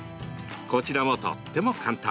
こちらも、とっても簡単。